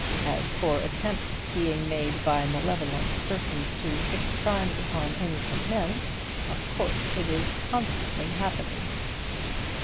As for attempts being made by malevolent persons to fix crimes upon innocent men, of course it is constantly happening."